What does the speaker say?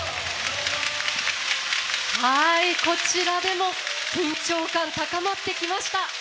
こちらでも緊張感、高まってきました。